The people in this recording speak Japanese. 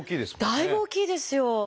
だいぶ大きいですよ！